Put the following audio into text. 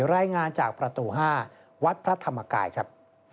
รายงานจากประตู๕วัดพระธรรมกายครับ